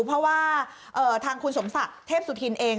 เพราะว่าทางคุณสมศักดิ์เทพสุธินเอง